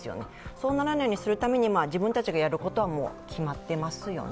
そうならないようにするために自分たちがやることは決まってますよね。